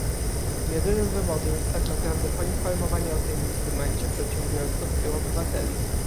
Jedynym wymogiem jest tak naprawdę poinformowanie o tym instrumencie przedsiębiorców i obywateli